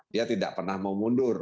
dia tidak pernah mau mundur